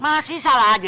masih salah aja